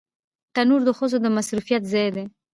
تنور د ښځو د مصروفيت ځای دی